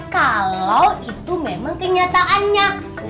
kalau itu memang kenyataannya